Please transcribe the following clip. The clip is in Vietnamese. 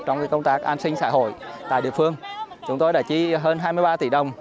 trong công tác an sinh xã hội tại địa phương chúng tôi đã chi hơn hai mươi ba tỷ đồng